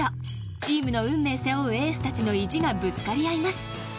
チームの運命を背負うエースたちの意地がぶつかり合います。